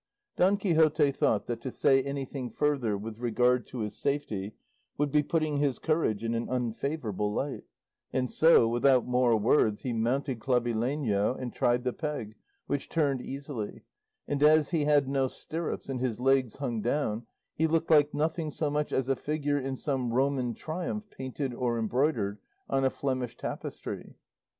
Don Quixote thought that to say anything further with regard to his safety would be putting his courage in an unfavourable light; and so, without more words, he mounted Clavileño, and tried the peg, which turned easily; and as he had no stirrups and his legs hung down, he looked like nothing so much as a figure in some Roman triumph painted or embroidered on a Flemish tapestry.